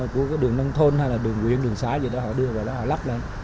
của cái đường nông thôn hay là đường quyên đường xá gì đó họ đưa vào đó họ lắp lên